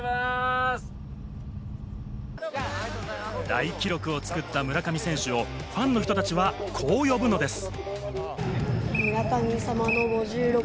大記録を作った村上選手をファンの人たちはこう呼ぶのです。